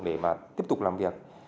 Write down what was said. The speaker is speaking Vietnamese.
để mà tiếp tục làm việc